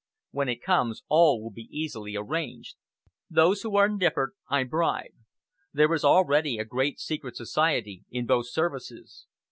When it comes, all will be easily arranged. Those who are indifferent I bribe. There is already a great secret society in both services.